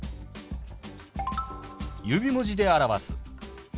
指文字で表す。